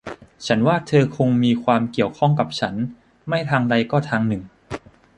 ฉันเชื่อว่าเธอมีความเกี่ยวข้องกับฉันไม่ทางใดก็ทางหนึ่ง